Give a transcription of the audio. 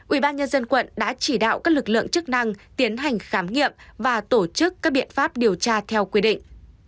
ubnd quận đã chỉ đạo các lực lượng chức năng tiến hành khám nghiệm và tổ chức các biện pháp điều tra theo quy định